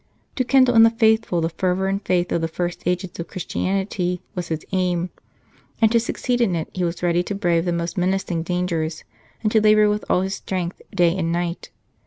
To kindle in the faithful the fervour and faith of the first ages of Christianity was his aim, and to succeed in it he was ready to brave the most menacing dangers and to labour with all his strength day and night.